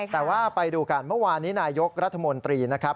แต่ว่าไปดูกันเมื่อวานนี้นายกรัฐมนตรีนะครับ